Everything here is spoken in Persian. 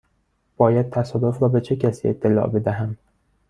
باید تصادف را به چه کسی اطلاع بدهم؟